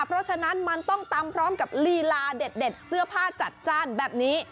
เพราะฉะนั้นมันต้องตำพร้อมกับลีลาเด็ดเสื้อผ้าจัดจ้านแบบนี้